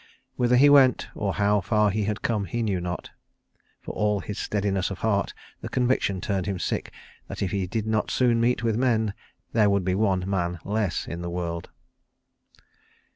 Whither he went, or how far he had come, he knew not; for all his steadiness of heart, the conviction turned him sick that if he did not soon meet with men there would be one man less in the world.